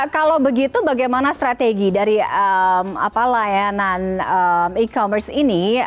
kalau begitu bagaimana strategi dari layanan e commerce ini